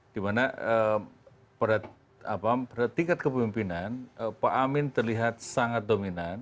dimana pada tingkat kepemimpinan pak amin terlihat sangat dominan